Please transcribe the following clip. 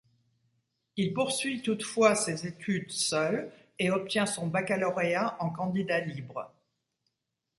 Il poursuit toutefois ses études seuls, et obtient son baccalauréat en candidat libre.